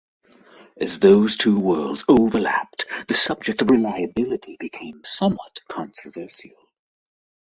As those two worlds overlapped, the subject of reliability became somewhat controversial.